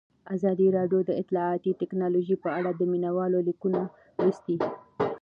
ازادي راډیو د اطلاعاتی تکنالوژي په اړه د مینه والو لیکونه لوستي.